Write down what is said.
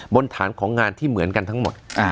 บนฐานของงานที่เหมือนกันทั้งหมด